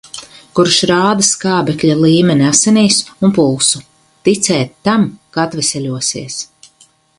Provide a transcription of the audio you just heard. Kurš rāda skābekļa līmeni asinīs un pulsu. Ticēt tam, ka atveseļosies.